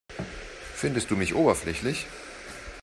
Findest du mich oberflächlich?